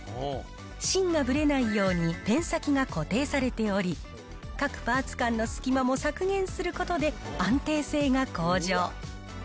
芯がぶれないようにペン先が固定されており、各パーツ間の隙間も削減することで、安定性が向上。